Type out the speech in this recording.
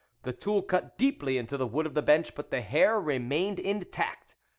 The tool cut deeply into the wood of the bench, but the hair remained intact.